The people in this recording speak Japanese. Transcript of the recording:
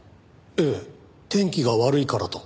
ええ天気が悪いからと。